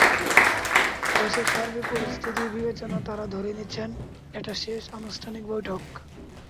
দেশের সার্বিক পরিস্থিতি বিবেচনায় তাঁরা ধরেই নিচ্ছেন, এটাই শেষ আনুষ্ঠানিক বৈঠক।